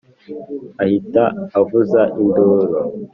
ahita avuza induru